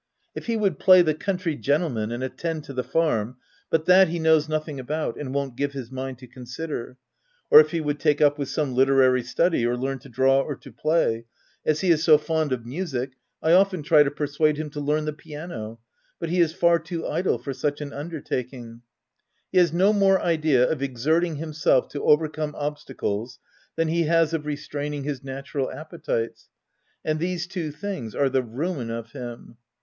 If he would play the country gentleman, and attend to the farm — but that he knows nothing about, and won't give his mind to consider, — or if he would take up with some literary study, or learn to draw or to play — as he is so fond of music, I often try to persuade him to learn the piano, but he is far too idle for such an undertaking : he has no more idea of exerting himself to overcome obstacles than he has of restraining his natural appetites ; and these two things are the ruin of him.